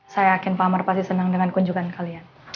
saya yakin pak amar pasti senang dengan kunjungan kalian